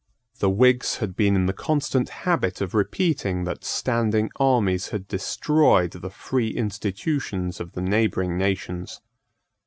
The Whigs had been in the constant habit of repeating that standing armies had destroyed the free institutions of the neighbouring nations.